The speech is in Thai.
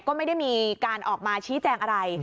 ก็ไม่ได้มีการออกมาชี้แจงอะไร